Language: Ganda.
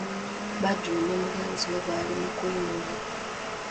Badru ne muganzi we baali mu kwemoola.